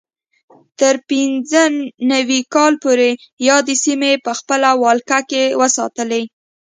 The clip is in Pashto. تر پینځه نوي کال پورې یادې سیمې په خپل ولکه کې وساتلې.